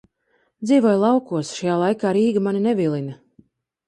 Dzīvoju laukos, šajā laikā Rīga mani nevilina.